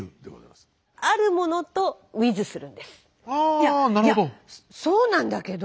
いやそうなんだけど。